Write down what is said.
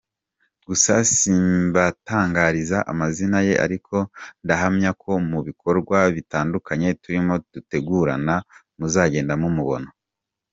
Gusa simbatangariza amazina ye ariko ndahamya ko mu bikorwa bitandukanye turimo dutegurana muzagenda mumubona.